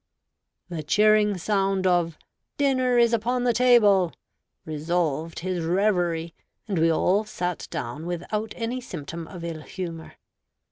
The cheering sound of "Dinner is upon the table" dissolved his reverie, and we all sat down without any symptom of ill humor.